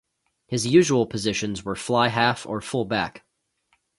His usual positions were fly-half or fullback.